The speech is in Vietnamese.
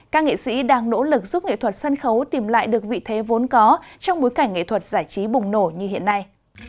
các nghệ sĩ đang nỗ lực giúp nghệ thuật sân khấu tìm lại được vị thế vốn có trong bối cảnh nghệ thuật giải trí bùng nổ như hiện nay